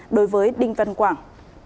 đối với đinh văn quảng